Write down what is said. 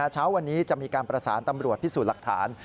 เช้าวันนี้จะมีการประสานตำรวจพิสูจน์หลักฐาน